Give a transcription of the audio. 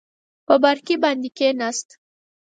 په بارکي باندې کېناست.